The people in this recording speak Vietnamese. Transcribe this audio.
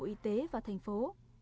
y tế và thành phố